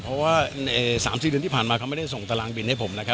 ๓๔เดือนกระทั่งมาเขาไม่ได้ส่งตารางบินไว้ให้ผม